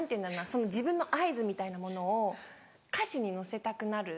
その自分の合図みたいなものを歌詞に乗せたくなる。